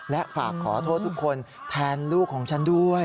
และฝากขอโทษทุกคนแทนลูกของฉันด้วย